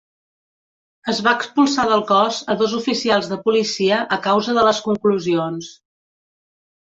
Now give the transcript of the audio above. Es va expulsar del cos a dos oficials de policia a causa de les conclusions.